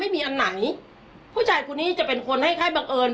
ไม่มีอันไหนผู้ชายคนนี้จะเป็นคนให้ค่ายบังเอิญ